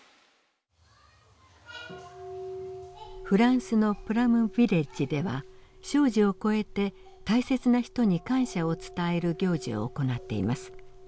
フランスのプラムヴィレッジでは生死を超えて大切な人に感謝を伝える行事を行っています。